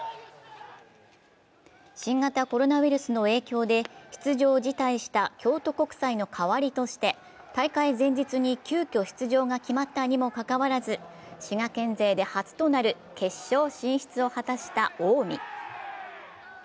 新型コロナウイルスの影響で出場を辞退した京都国際の代わりとして大会前日に急きょ出場が決まったにもかかわらず滋賀県勢で初となる決勝進出を果たした近江。